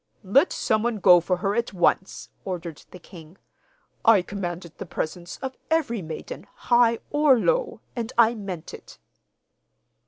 'Let some one go for her at once,' ordered the king. 'I commanded the presence of every maiden, high or low, and I meant it.